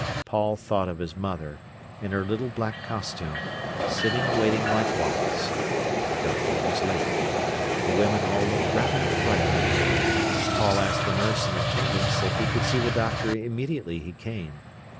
Paul thought of his mother, in her little black costume, sitting waiting likewise. The doctor was late. The women all looked rather frightened. Paul asked the nurse in attendance if he could see the doctor immediately he came.